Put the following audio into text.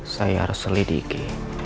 saya harus selidiki